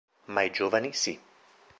Ma i giovani sì.